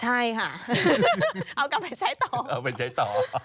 ใช่ค่ะเอากลับไปใช้ต่อ